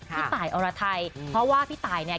พี่ตายอรไทยเพราะว่าพี่ตายเนี่ย